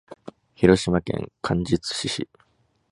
広島県廿日市市